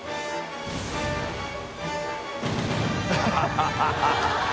ハハハ